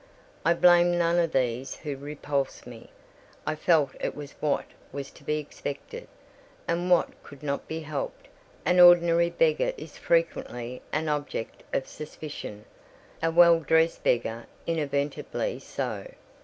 I blamed none of those who repulsed me. I felt it was what was to be expected, and what could not be helped: an ordinary beggar is frequently an object of suspicion; a well dressed beggar inevitably so.